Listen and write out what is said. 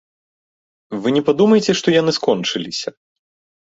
Вы не падумайце, што яны скончыліся.